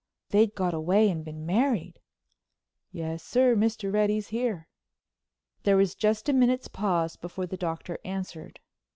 They'd got away and been married! "Yes, sir, Mr. Reddy's here." There was just a minute's pause before the Doctor answered.